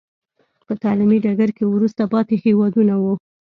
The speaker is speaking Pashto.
په تعلیمي ډګر کې وروسته پاتې هېوادونه وو.